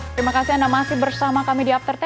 terima kasih anda masih bersama kami di after sepuluh